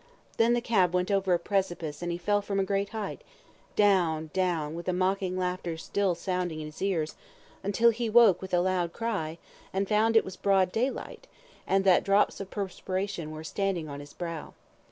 Then the cab went over a precipice, and he fell from a great height, down, down, with the mocking laughter still sounding in his ears, until he woke with a loud cry, and found it was broad daylight, and that drops of perspiration were standing on his brow.